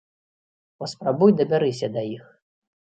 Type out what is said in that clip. Паспрабуй дабярыся да іх.